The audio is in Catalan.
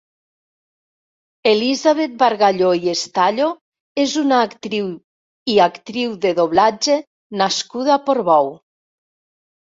Elisabet Bargalló i Estallo és una actriu i actriu de doblatge nascuda a Portbou.